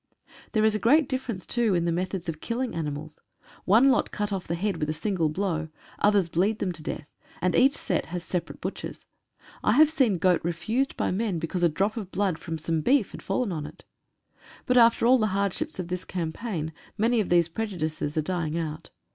There is a great difference, too, in the methods of killing ani mals — one lot cut off the head with a single blow, others bleed them to death, and each set has separate butchers. I have seen goat refused by men because a drop of blood from some beef had fallen on it. But after all the hardships of this campaign, many of these pre judices are dying out.